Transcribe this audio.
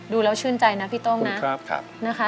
ดูแล้วชื่นใจนะพี่โต้งนะนะคะ